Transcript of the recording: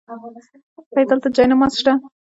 ایا دلته جای نماز شته؟